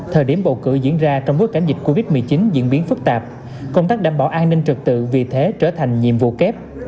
thời điểm bầu cử diễn ra trong bối cảnh dịch covid một mươi chín diễn biến phức tạp công tác đảm bảo an ninh trật tự vì thế trở thành nhiệm vụ kép